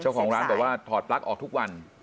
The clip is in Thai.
เจ้าของร้านบอกว่าถอดปลั๊กออกทุกวัน